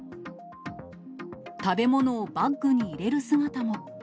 食べ物をバッグに入れる姿も。